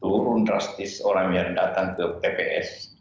turun drastis orang yang datang ke tps